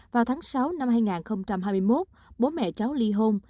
vào tháng sáu năm hai nghìn hai mươi một bố mẹ cháu ly hôn